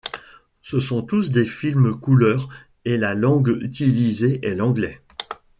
Ce sont tous des films couleurs et la langue utilisée est l'anglais.